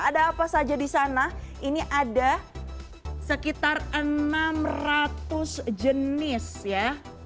ada apa saja di sana ini ada sekitar enam ratus jenis ya